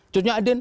cut nyak din